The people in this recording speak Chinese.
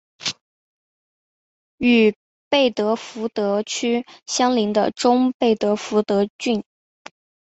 与贝德福德区相邻的中贝德福德郡。